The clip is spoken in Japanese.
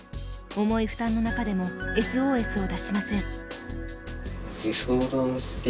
重い負担の中でもＳＯＳを出しません。